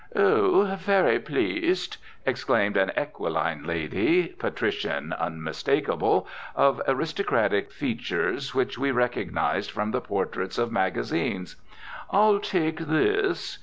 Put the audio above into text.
"Oh, very pleased," exclaimed an equiline lady, patrician unmistakable, of aristocratic features which we recognised from the portraits of magazines, "I'll take this."